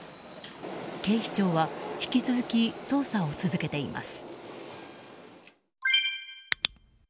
警視庁は引き続き捜査を続けています。